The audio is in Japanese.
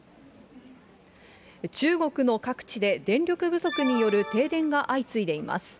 中国の各地で、電力不足による停電が相次いでいます。